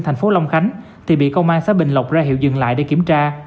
thành phố long khánh thì bị công an xã bình lộc ra hiệu dừng lại để kiểm tra